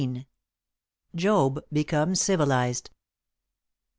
JOB BECOMES CIVILISED.